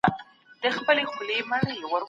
ټولنه بايد له عصري نړۍ سره سيالي وکړي.